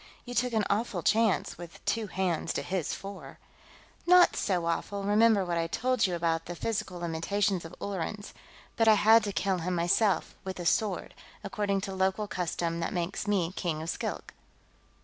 "You took an awful chance, with two hands to his four." "Not so awful, remember what I told you about the physical limitations of Ullerans. But I had to kill him myself, with a sword; according to local custom that makes me King of Skilk."